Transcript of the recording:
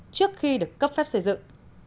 trước khi được cấp phép xây dựng